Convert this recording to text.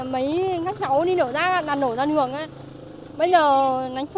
mấy các cháu đi đổ rác không có ý thức đâu người ta đặt đổ đến đất thôi